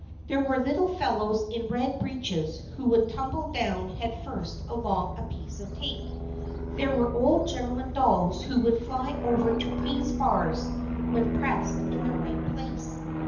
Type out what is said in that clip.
There were little fellows in red breeches who would tumble down head first along a piece of tape. There were old gentlemen dolls who would fly over trapeze bars when pressed in the right place.